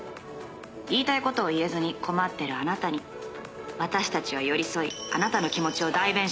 「言いたい事を言えずに困ってるあなたに私たちは寄り添いあなたの気持ちを代弁します」